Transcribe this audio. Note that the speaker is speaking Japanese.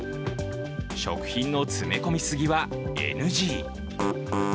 食品の詰め込みすぎはＮＧ。